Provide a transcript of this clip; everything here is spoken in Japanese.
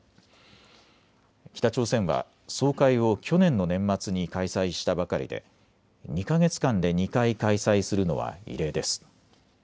北朝鮮は総会を去年の年末に開催したばかりで２か月間で２回開催するのは異例です。